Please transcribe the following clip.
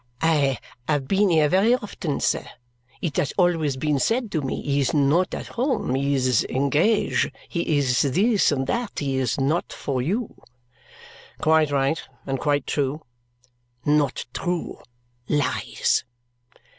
"I have been here very often, sir. It has always been said to me, he is not at home, he is engage, he is this and that, he is not for you." "Quite right, and quite true." "Not true. Lies!"